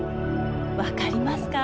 分かりますか？